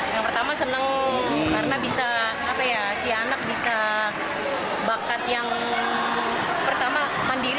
yang pertama senang karena bisa apa ya si anak bisa bakat yang pertama mandiri